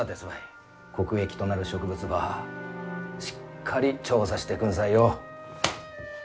国益となる植物ばしっかり調査してくんさいよ。